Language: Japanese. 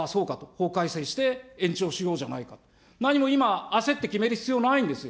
法改正して、延長しようじゃないかと、何も今、焦って決める必要ないんですよ。